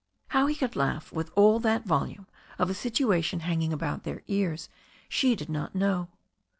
How h« could laugh with all that volume of a situation hanging about their ears she did not know.